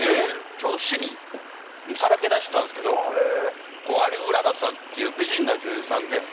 ちょうど尻さらけ出したんですけど安竜うららさんっていう美人な女優さんで。